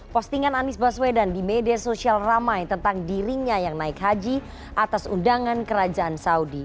postingan anies baswedan di media sosial ramai tentang dirinya yang naik haji atas undangan kerajaan saudi